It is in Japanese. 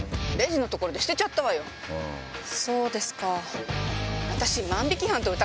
そうですか。